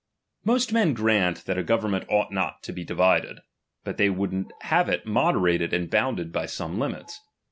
'] Most men grant, that a government ouglit not to be divided ; but they would have it moderated and bounded by some limits.